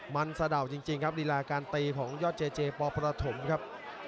มันสะดาวจริงครับรีลาการตีของยอดเจเจปประถมครับ